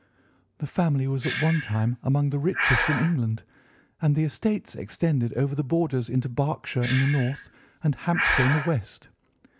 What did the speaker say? "The family was at one time among the richest in England, and the estates extended over the borders into Berkshire in the north, and Hampshire in the west.